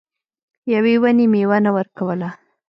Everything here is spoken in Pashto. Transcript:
یوې ونې میوه نه ورکوله.